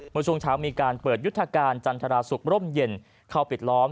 เมื่อช่วงเช้ามีการเปิดยุทธการจันทราศุกร์ร่มเย็นเข้าปิดล้อม